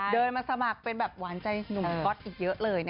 เดินมาสมัครเป็นแบบหวานใจหนุ่มก็อตอีกเยอะเลยนะครับ